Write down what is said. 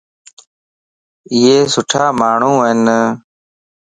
ايي سٺا ماڻھو ائين.